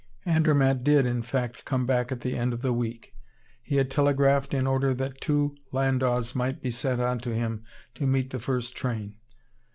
Andermatt did, in fact, come back at the end of the week. He had telegraphed in order that two landaus might be sent on to him to meet the first train.